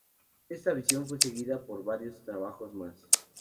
Esta visión fue seguida por varios trabajos más.